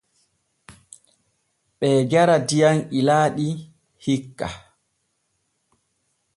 Ɓee jara diyam ilaaɗi hikka.